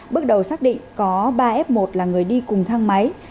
bước đầu xác định có ba f một là người đi cùng thang máy